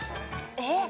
えっ？